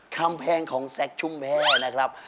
คำแพงของแซคชุมแพร่นะครับ